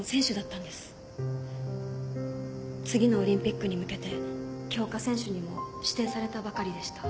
次のオリンピックに向けて強化選手にも指定されたばかりでした。